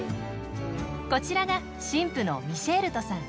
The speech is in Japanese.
こちらが新婦のミシェールトさん。